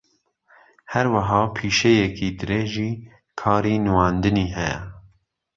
ھەروەھا پیشەیەکی درێژی کاری نواندنی ھەیە